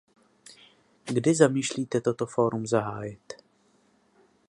Kdy zamýšlíte toto fórum zahájit?